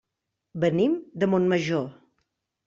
Venim de Montmajor.